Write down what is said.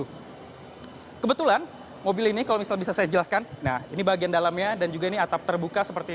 nah kebetulan mobil ini kalau misalnya bisa saya jelaskan nah ini bagian dalamnya dan juga ini atap terbuka seperti